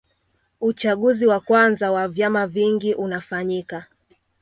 Uchaguzi wa kwanza wa vyama vingi unafanyika